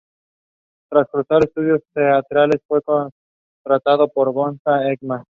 Tras cursar estudios teatrales, fue contratado por Gösta Ekman.